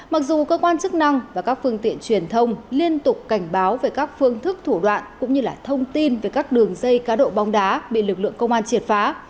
mặc dù cơ quan chức năng và các phương tiện truyền thông liên tục cảnh báo về các phương thức thủ đoạn cũng như thông tin về các đường dây cá độ bóng đá bị lực lượng công an triệt phá